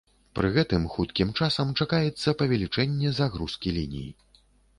Пры гэтым хуткім часам чакаецца павелічэнне загрузкі ліній.